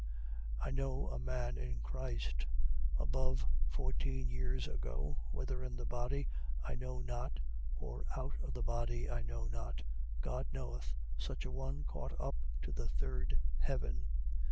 12:2. I know a man in Christ: above fourteen years ago (whether in the body, I know not, or out of the body, I know not: God knoweth), such a one caught up to the third heaven.